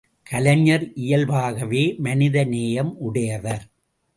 கலைஞர் இயல்பாகவே மனிதநேயம் உடையவர்.